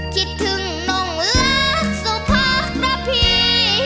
คิดถึงน้องลักสุภาครับพี่